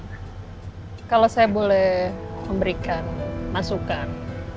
nah kalau saya boleh memberikan masukan